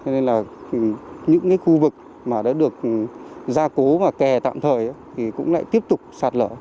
nên là những cái khu vực mà đã được gia cố và kè tạm thời thì cũng lại tiếp tục sạt lở